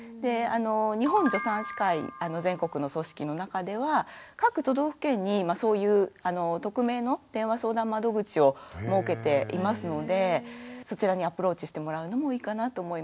日本助産師会全国の組織の中では各都道府県にそういう匿名の電話相談窓口を設けていますのでそちらにアプローチしてもらうのもいいかなと思います。